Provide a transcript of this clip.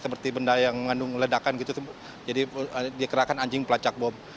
seperti benda yang mengandung ledakan gitu jadi dikerahkan anjing pelacak bom